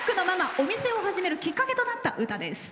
お店を始めるきっかけとなった歌です。